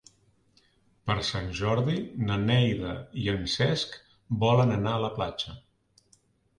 Per Sant Jordi na Neida i en Cesc volen anar a la platja.